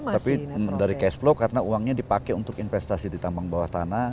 tapi dari cash flow karena uangnya dipakai untuk investasi di tambang bawah tanah